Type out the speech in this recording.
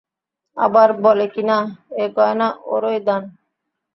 আবার বলে কিনা, এ গয়না ওরই দান!